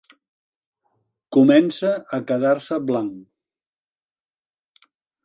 Comença a quedar-se blanc.